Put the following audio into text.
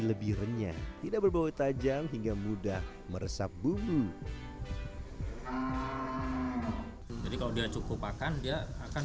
lebih renyah tidak berbau tajam hingga mudah meresap bumbu jadi kalau dia cukup makan dia akan